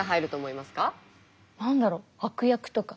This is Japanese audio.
何だろう悪役とか。